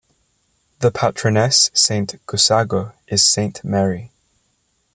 The patroness Saint of Gussago is Saint Mary.